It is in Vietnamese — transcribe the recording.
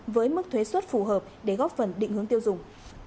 với mức thuế xuất phù hợp để góp phần định hướng tiêu dùng